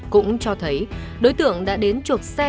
cũng cho thấy đối tượng đã đến chuộc xe